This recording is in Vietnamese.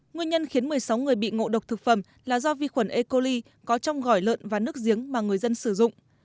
nguyên nhân khiến một mươi sáu người bị ngộ độc thực phẩm là do vi khuẩn ecoli có trong gỏi lợn và nước giếng mà người dân sử dụng